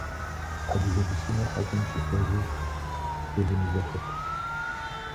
Адыгэ бысымыр хьэщӀэм щихъуэжыр зэзэмызэххэт.